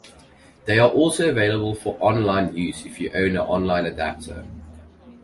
They are also available for online use if you own an online adapter.